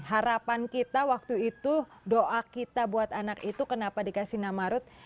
harapan kita waktu itu doa kita buat anak itu kenapa dikasih nama ruth